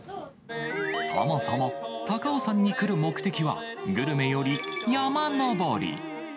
そもそも、高尾山に来る目的は、グルメより山登り。